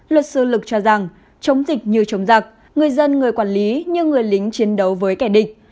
luật sư lực cho rằng chống dịch như chống giặc người dân người quản lý như người lính chiến đấu với kẻ địch